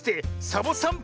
サボさん